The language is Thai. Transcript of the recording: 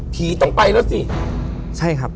ผีต้องไปแล้วสิ